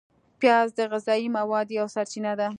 پیاز د غذایي موادو یوه سرچینه ده